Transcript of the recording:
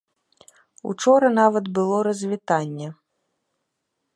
Учора нават было развітанне.